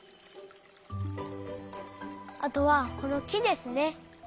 あとはこのきですね。